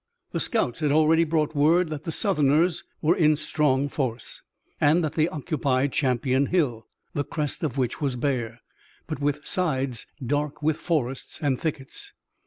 The scouts had already brought word that the Southerners were in strong force, and that they occupied Champion Hill, the crest of which was bare, but with sides dark with forests and thickets.